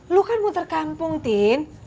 lu kan muter kampung tin